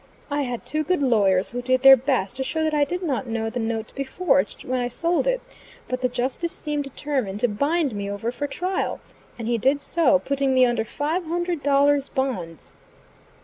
I had two good lawyers who did their best to show that I did not know the note to be forged when I sold it, but the justice seemed determined to bind me over for trial, and he did so, putting me under five hundred dollars' bonds.